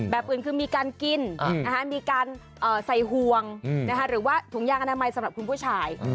แบบอื่นคือมีการกินมีการใส่ห่วงหรือว่าถุงยางอนามัยสำหรับคุณผู้ชาย